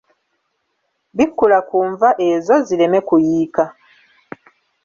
Bikkula ku nva ezo zireme kuyiika.